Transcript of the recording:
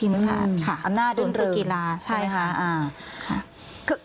ทีมชาร์จค่ะอำนาจภูมิฟือกีฬาใช่ค่ะ